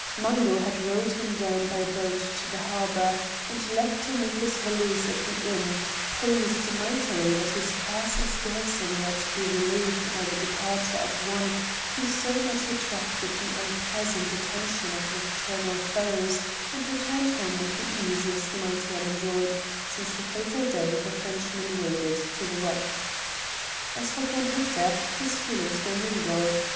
Mungo had rowed him down by boat to the harbour and left him with his valise at the inn, pleased mightily that his cares as garrison were to be relieved by the departure of one who so much attracted the unpleasant attention of nocturnal foes, and returned home with the easiest mind he had enjoyed since the fateful day the Frenchman waded to the rock. As for Count Victor, his feelings were mingled.